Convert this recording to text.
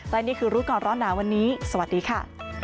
และนี่คือรู้ก่อนร้อนหนาวันนี้สวัสดีค่ะ